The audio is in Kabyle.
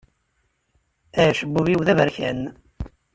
Acebbub-iw d aberkan.